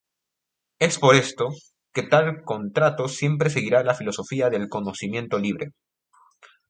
Es por esto, que tal contrato siempre seguirá la filosofía del conocimiento libre.